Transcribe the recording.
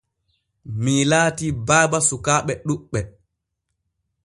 Mii laati baba sukaaɓe ɗuɓɓe.